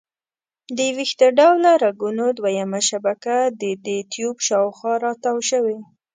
د ویښته ډوله رګونو دویمه شبکه د دې ټیوب شاوخوا را تاو شوي.